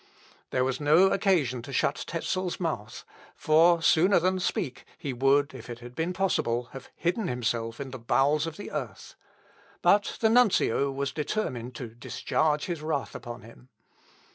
There was no occasion to shut Tezel's mouth, for, sooner than speak, he would, if it had been possible, have hidden himself in the bowels of the earth; but the nuncio was determined to discharge his wrath upon him.